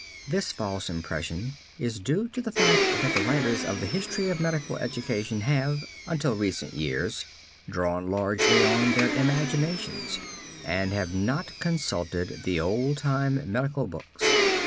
This false impression is due to the fact that the writers of the history of medical education have, until recent years, drawn largely on their imaginations, and have not consulted the old time medical books.